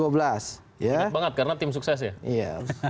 enak banget karena tim sukses ya